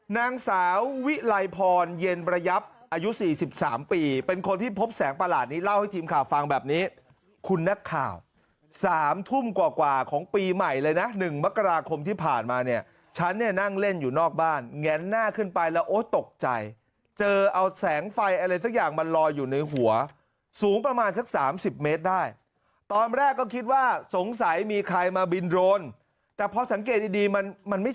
นางสาววิไลพรเย็นประยับอายุ๔๓ปีเป็นคนที่พบแสงประหลาดนี้เล่าให้ทีมข่าวฟังแบบนี้คุณนักข่าว๓ทุ่มกว่าของปีใหม่เลยนะ๑มกราคมที่ผ่านมาเนี่ยฉันเนี่ยนั่งเล่นอยู่นอกบ้านแงนหน้าขึ้นไปแล้วโอ้ตกใจเจอเอาแสงไฟอะไรสักอย่างมันลอยอยู่ในหัวสูงประมาณสัก๓๐เมตรได้ตอนแรกก็คิดว่าสงสัยมีใครมาบินโดรนแต่พอสังเกตดีมันมันไม่